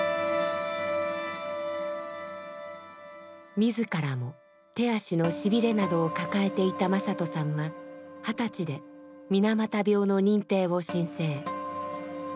自らも手足のしびれなどをかかえていた正人さんは二十歳で水俣病の認定を申請。